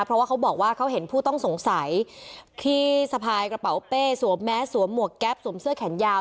เพราะว่าเขาบอกว่าเขาเห็นผู้ต้องสงสัยที่ทรายกระเป๋าเปส่วนแม้สวมเหงื่อแก๊บสุด